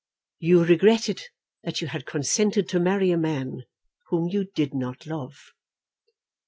"You regretted that you had consented to marry a man, whom you did not love."